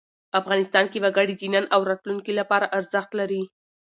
افغانستان کې وګړي د نن او راتلونکي لپاره ارزښت لري.